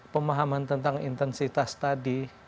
pemahaman tentang intensitas tadi